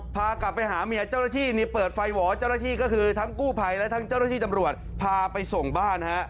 พากลับไปหาเมียเจ้าหน้าที่นี่เปิดไฟหวอเจ้าหน้าที่ก็คือทั้งกู้ภัยและทั้งเจ้าหน้าที่ตำรวจพาไปส่งบ้านฮะ